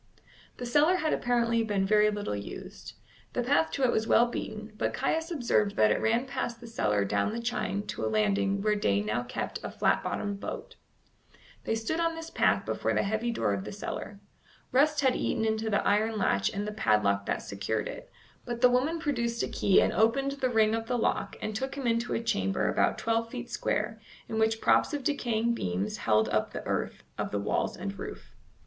The cellar had apparently been very little used. The path to it was well beaten, but Caius observed that it ran past the cellar down the chine to a landing where Day now kept a flat bottomed boat. They stood on this path before the heavy door of the cellar. Rust had eaten into the iron latch and the padlock that secured it, but the woman produced a key and opened the ring of the lock and took him into a chamber about twelve feet square, in which props of decaying beams held up the earth of the walls and roof.